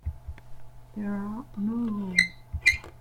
There are no rules.